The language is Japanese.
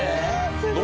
すごい。